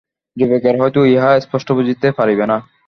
যুবকেরা হয়তো ইহা স্পষ্ট বুঝিতে পারিবে না।